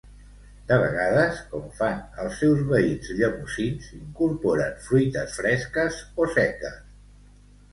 De vegades, com fan els seus veïns llemosins, incorporen fruites fresques o seques.